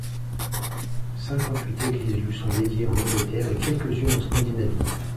Cinquante-huit églises lui sont dédiées en Angleterre et quelques-unes en Scandinavie.